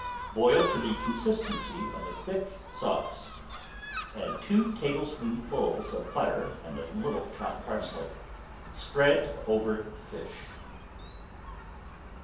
Boil to the consistency of a thick sauce, add two tablespoonfuls of butter and a little chopped parsley. Spread over the fish.